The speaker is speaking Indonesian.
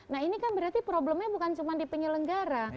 nah ini kan berarti problemnya bukan cuma di penyelenggara